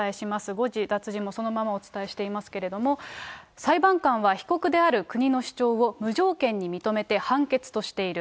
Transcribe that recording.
誤字脱字もそのままお伝えしていますけれども、裁判官は被告である国の主張を無条件に認めて判決としている。